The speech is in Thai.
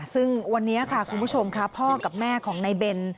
ซึ่งวันนี้ค่ะคุณผู้ชมค่ะพ่อกับแม่ของนายเบน